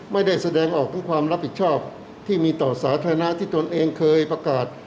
ไม่ได้แสดงออกถึงความรับผิดชอบที่มีต่อสาธารณะที่ตนเองเคยประกาศ